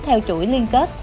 theo chuỗi liên kết